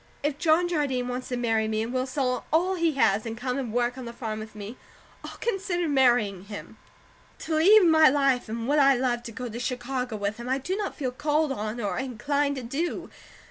If John Jardine wants to marry me, and will sell all he has, and come and work on the farm with me, I'll consider marrying him. To leave my life and what I love to go to Chicago with him, I do not feel called on, or inclined to do.